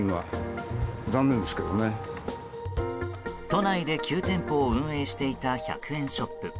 都内で９店舗を運営していた１００円ショップ。